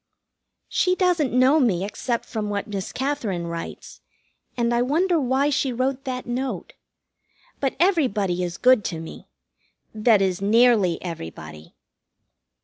She doesn't know me except from what Miss Katherine writes, and I wonder why she wrote that note. But everybody is good to me that is, nearly everybody.